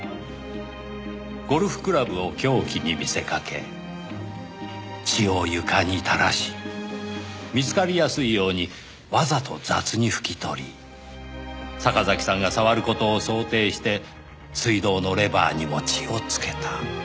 ゴルフクラブを凶器に見せかけ血を床に垂らし見つかりやすいようにわざと雑に拭き取り坂崎さんが触る事を想定して水道のレバーにも血をつけた。